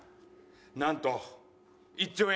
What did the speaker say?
なんと１兆円や！